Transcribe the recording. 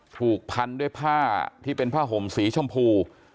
ถูกพันด้วยผ้าที่เป็นผ้าห่มสีชมพู